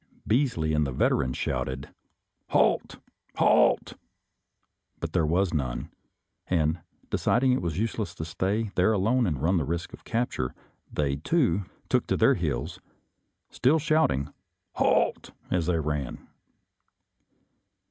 Beasley and the Veteran shouted, " Halt ! halt !" but there was none ; and, deciding it was useless to stay there alone and run the risk of capture, they, too, took to their heels, still shout ing " Halt !" as they ran.